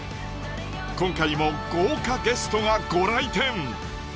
今回も豪華ゲストがご来店。